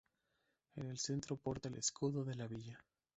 En el centro porta el escudo de la villa.